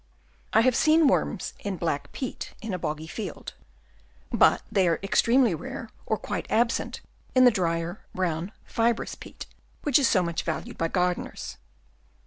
I have seen worms in black peat in a boggy field ; but they are extremely rare, or quite absent in the drier, brown, fibrous peat, which is so much valued by gardeners.